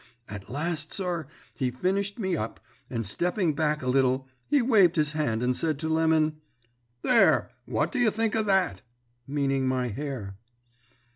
At last, sir, he finished me up, and stepping back a little, he waved his hand and said to Lemon, "'There! what do you think of that?' meaning my hair.